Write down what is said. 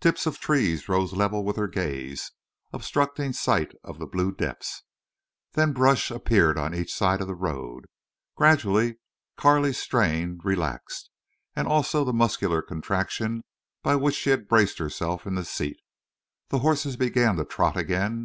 Tips of trees rose level with her gaze, obstructing sight of the blue depths. Then brush appeared on each side of the road. Gradually Carley's strain relaxed, and also the muscular contraction by which she had braced herself in the seat. The horses began to trot again.